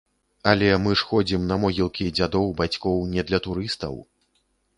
Але мы ж ходзім на могілкі дзядоў, бацькоў не для турыстаў.